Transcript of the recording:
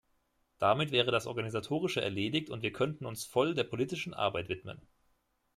Damit wäre das Organisatorische erledigt, und wir könnten uns voll der politischen Arbeit widmen.